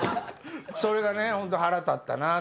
それがねホント腹立ったなって。